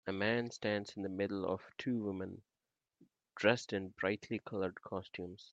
A man stands in the middle of two woman dressed in brightly colored costumes.